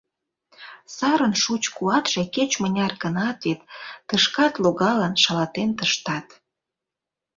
Сарын шуч куатше кеч мыняр гынат Вет тышкат логалын, шалатен тыштат.